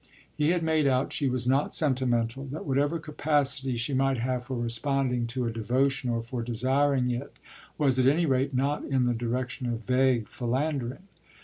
He had made out she was not sentimental that whatever capacity she might have for responding to a devotion or for desiring it was at any rate not in the direction of vague philandering.